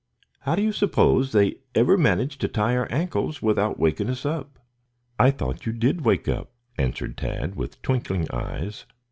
How do you suppose they ever managed to tie it to our ankles without waking us up?" "I thought you did wake up," answered Tad with twinkling eyes.